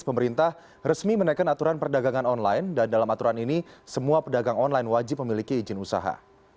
pemerintah resmi menaikkan aturan perdagangan online dan dalam aturan ini semua pedagang online wajib memiliki izin usaha